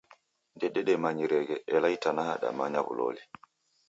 Ndedemanyireghe, ela itanaha damanya w'uloli.